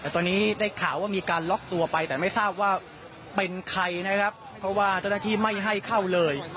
แต่ตอนนี้ได้ข่าวว่ามีการล็อกตัวไปแต่ไม่ทราบว่าเป็นใครนะครับเพราะว่าเจ้าหน้าที่ไม่ให้เข้าเลย